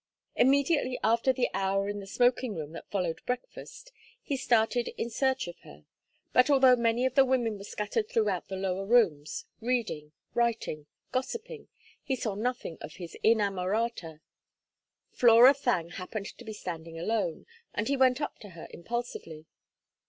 Immediately after the hour in the smoking room that followed breakfast, he started in search of her; but although many of the women were scattered throughout the lower rooms, reading, writing, gossiping, he saw nothing of his inamorata. Flora Thangue happened to be standing alone, and he went up to her impulsively.